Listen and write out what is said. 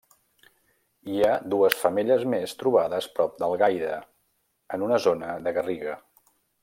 Hi ha dues femelles més trobades prop d'Algaida en una zona de garriga.